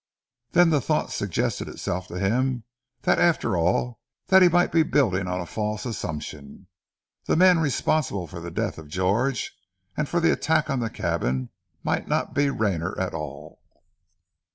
Then the thought suggested itself to him that after all he might be building on a false assumption. The man responsible for the death of George, and for the attack on the cabin, might not be Rayner at all.